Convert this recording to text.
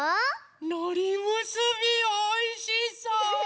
のりむすびおいしそう！